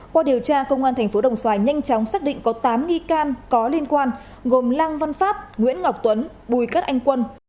qua điều tra công an tp đồng xoài nhanh chóng xác định có tám nghi can có liên quan gồm lăng văn pháp nguyễn ngọc tuấn bùi cát anh quân